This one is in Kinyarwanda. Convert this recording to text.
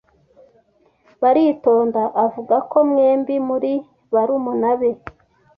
Baritonda avuga ko mwembi muri barumuna be.